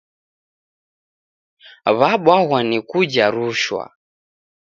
W'abwaghwa ni kuja rushwa.